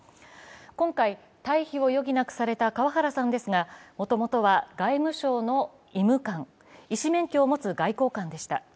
今回、退避を余儀なくされた川原さんですが、もともとは外務省の医務官、医師免許を持つ外交官でした。